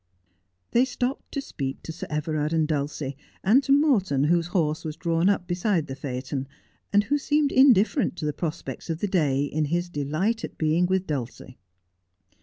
They stopped to speak to Sir Everard and Dulcie, and to Morton, whose horse was drawn up beside the phaeton, and who seemed indifferent to the prospects of the day, in his delight at being with Dulcie.